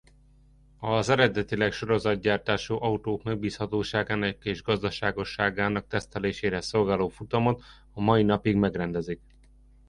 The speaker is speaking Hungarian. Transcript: Az eredetileg sorozatgyártású autók megbízhatóságának és gazdaságosságának tesztelésére szolgáló futamot a mai napig megrendezik.